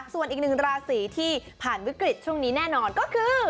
ส่วนอีกหนึ่งราศีที่ผ่านวิกฤตช่วงนี้แน่นอนก็คือ